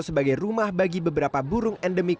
sebagai rumah bagi beberapa burung endemik